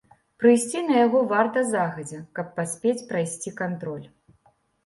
Прыйсці на яго варта загадзя, каб паспець прайсці кантроль.